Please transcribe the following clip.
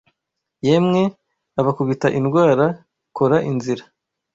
Yemwe abakubita indwara, kora inzira